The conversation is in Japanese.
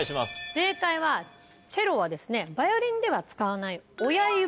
正解はチェロはバイオリンでは使わない。